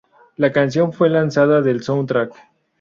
La canción fue lanzada del soundtrack.